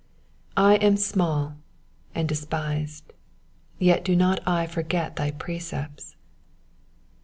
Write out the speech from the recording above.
141 I am small and despised : yet do not I forget thy precepts.